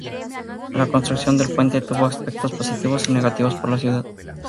La construcción del puente tuvo aspectos positivos y negativos para la ciudad.